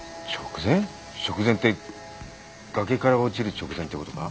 崖から落ちる直前ってことか？